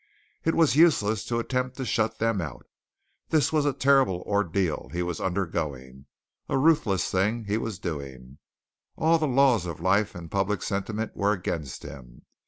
It was useless to attempt to shut them out. This was a terrible ordeal he was undergoing, a ruthless thing he was doing. All the laws of life and public sentiment were against him.